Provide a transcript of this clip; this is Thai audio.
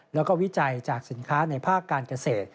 แล้วก็วิจัยจากสินค้าในภาคการเกษตร